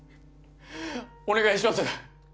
お願いします